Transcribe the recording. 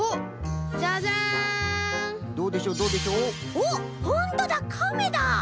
おっほんとだカメだ！